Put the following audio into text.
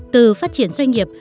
từ phát triển doanh nghiệp